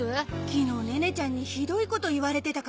昨日ネネちゃんにひどいこと言われてたからな。